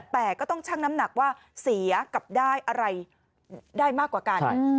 แต่ก็ต้องชั่งน้ำหนักว่าเสียกับได้อะไรได้มากกว่ากัน